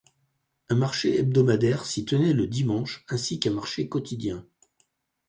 Un marché hebdomadaire s'y tenait le dimanche, ainsi qu'un marché quotidien.